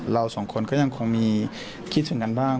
เราสองคนก็ยังคงมีคิดถึงกันบ้าง